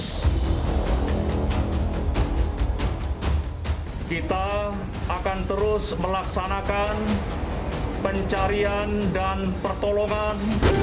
kita akan terus melaksanakan pencarian dan pertolongan